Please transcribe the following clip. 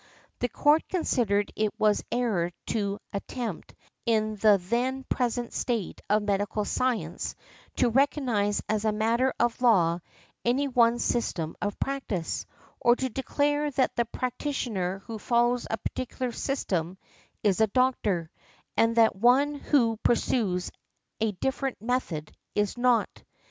The Court considered it was error to attempt in the then present state of medical science to recognize as a matter of law any one system of practice, or to declare that the |51| practitioner who follows a particular system is a doctor, and that one who pursues a different method is not .